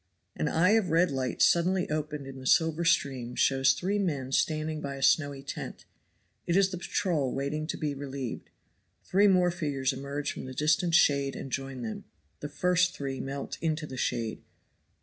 An eye of red light suddenly opened in the silver stream shows three men standing by a snowy tent. It is the patrol waiting to be relieved. Three more figures emerge from the distant shade and join them. The first three melt into the shade.